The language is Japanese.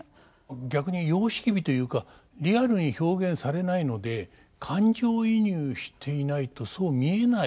逆に様式美というかリアルに表現されないので感情移入していないとそう見えない。